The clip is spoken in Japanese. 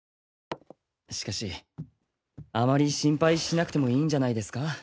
しかしあまり心配しなくてもいいんじゃないですか？